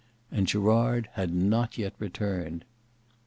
And Gerard had not yet returned.